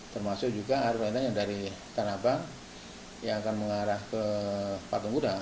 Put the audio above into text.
termasuk juga harus lintas yang dari tanapa yang akan mengarah ke patung guda